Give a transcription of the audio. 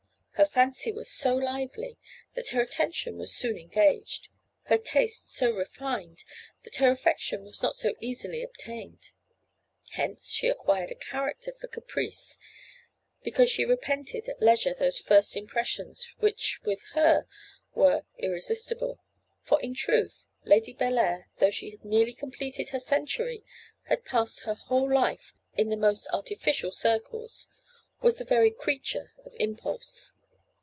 Her fancy was so lively, that her attention was soon engaged; her taste so refined, that her affection was not so easily obtained. Hence she acquired a character for caprice, because she repented at leisure those first impressions which with her were irresistible; for, in truth, Lady Bellair, though she had nearly completed her century, and had passed her whole life in the most artificial circles, was the very creature of impulse.